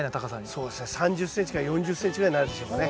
そうですね３０ｃｍから４０ｃｍぐらいになるでしょうかね。